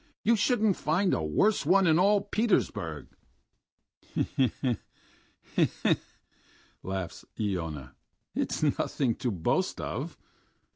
You wouldn't find a worse one in all Petersburg...." "He he!... he he!..." laughs Iona. "It's nothing to boast of!"